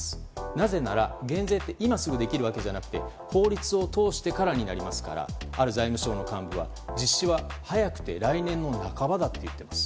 なぜなら、減税って今すぐできるわけではなくて法律を通してからになりますからある財務省幹部は、実施は早くて来年半ばだと言っています。